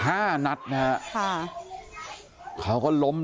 เขาก็ลงไปที่นี่ครับแล้วเขาก็ยิงผู้ชมครับ